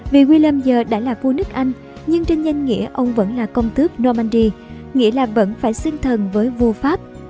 vì wil giờ đã là vua nước anh nhưng trên danh nghĩa ông vẫn là công thức normandy nghĩa là vẫn phải xưng thần với vua pháp